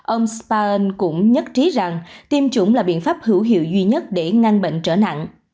ông spareen cũng nhất trí rằng tiêm chủng là biện pháp hữu hiệu duy nhất để ngăn bệnh trở nặng